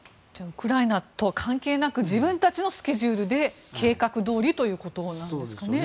ウクライナとは関係なく自分たちのスケジュールで計画どおりということでしょうか。